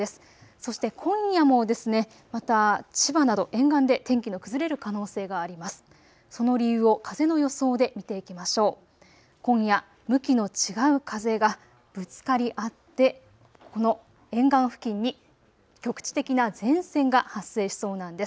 そして今夜もまた千葉など沿岸で天気の崩れる可能性があります。